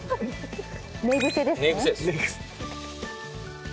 寝癖ですね。